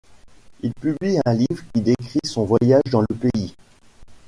Il publie un livre qui décrit son voyage dans le pays.